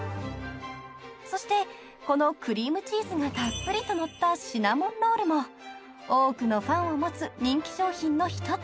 ［そしてこのクリームチーズがたっぷりとのったシナモンロールも多くのファンを持つ人気商品の１つ］